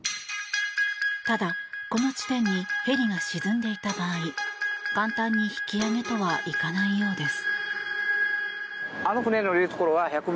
ただ、この地点にヘリが沈んでいた場合簡単に引き揚げとはいかないようです。